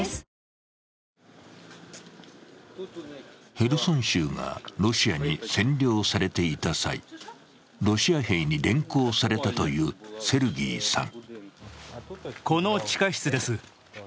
ヘルソン州がロシアに占領されていた際、ロシア兵に連行されたというセルギーさん。